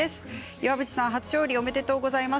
岩渕さん、初勝利おめでとうございます。